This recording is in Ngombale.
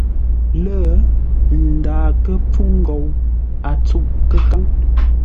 Lə̂, m ndaa kə́ pfúŋ ghou a tsûʼ kə́káŋ.